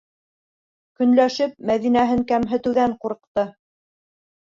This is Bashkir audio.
Көнләшеп Мәҙинәһен кәмһетеүҙән ҡурҡты.